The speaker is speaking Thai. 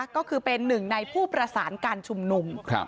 ก็คือเป็นหนึ่งในผู้ประสานการชุมนุม